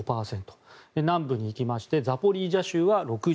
南部に行きましてザポリージャ州は６５％。